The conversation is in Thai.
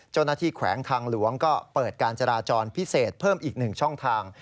แขวงทางหลวงก็เปิดการจราจรพิเศษเพิ่มอีก๑ช่องทาง